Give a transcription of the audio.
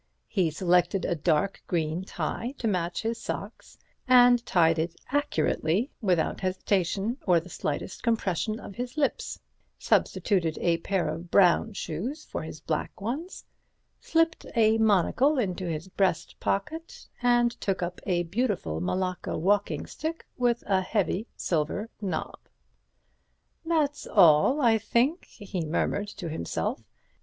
He selected a dark green tie to match his socks and tied it accurately without hesitation or the slightest compression of his lips; substituted a pair of brown shoes for his black ones, slipped a monocle into a breast pocket, and took up a beautiful Malacca walking stick with a heavy silver knob. "That's all, I think," he murmured to himself.